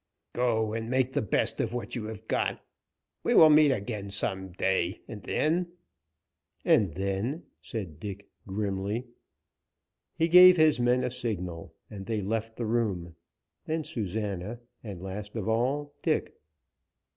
"Go, and make the best of what you have got. We will meet again some day, and then " "And then," said Dick, grimly. He gave his men a signal and they left the room, then Susana, and last of all, Dick.